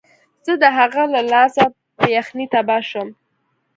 زه د هغه له لاسه په یخنۍ تباه شوم